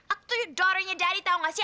aku tuh daughter nya daddy tau gak sih